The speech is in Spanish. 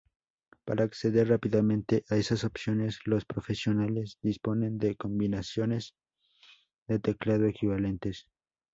Para acceder rápidamente a esas opciones, los profesionales disponen de combinaciones de teclado equivalentes.